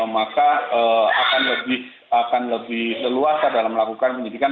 maka akan lebih leluasa dalam melakukan penyidikan